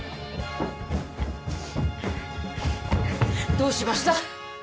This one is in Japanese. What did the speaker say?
どうしました？